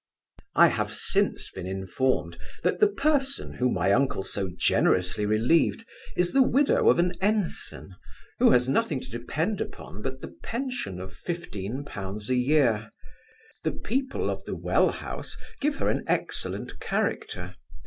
I have since been informed, that the person, whom my uncle so generously relieved, is the widow of an ensign, who has nothing to depend upon but the pension of fifteen pounds a year. The people of the Well house give her an excellent character.